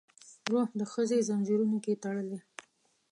روح د ښځې ځنځیرونو کې تړلی